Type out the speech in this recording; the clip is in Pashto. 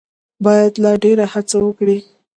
باید لا ډېره هڅه وکړي.